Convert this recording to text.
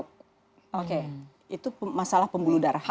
oke itu masalah pembuluh darah